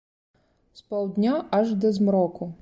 З паўдня аж да змроку.